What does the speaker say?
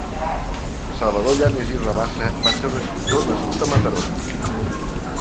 Salvador Llanas i Rabassa va ser un escriptor nascut a Mataró.